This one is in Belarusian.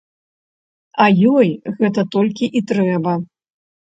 А ёй гэта толькі і трэба.